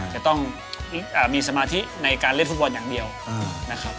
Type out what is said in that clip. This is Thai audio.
จะต้องมีสมาธิในการเล่นฟุตบอลอย่างเดียวนะครับ